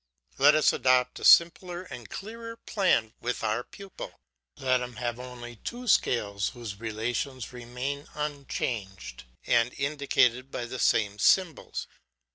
Let us adopt a simpler and clearer plan with our pupil; let him have only two scales whose relations remain unchanged, and indicated by the same symbols.